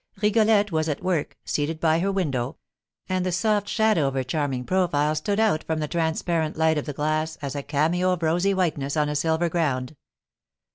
Rigolette was at work, seated by her window; and the soft shadow of her charming profile stood out from the transparent light of the glass as a cameo of rosy whiteness on a silver ground.